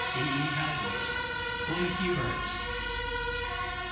E. E. Hale's "Boy Heroes."